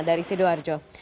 terima kasih doarjo